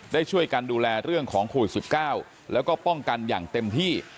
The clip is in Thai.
ได้ช่วยกันดูแลเรื่องของโควิด๑๙แล้วก็ป้องกันอย่างเต็มที่